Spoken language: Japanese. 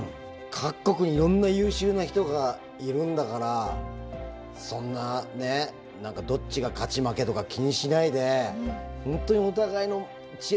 各国にいろんな優秀な人がいるんだからそんなねどっちが勝ち負けとか気にしないで本当にお互いの知恵